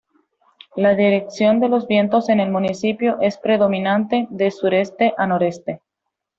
La dirección de los vientos en el municipio es predominante de sureste a noreste.